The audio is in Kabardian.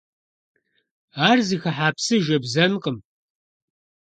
Ар зыхыхьа псы жэбзэнкъым.